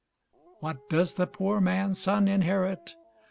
What doth the poor man's son inherit?